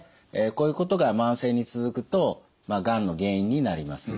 こういうことが慢性に続くとがんの原因になります。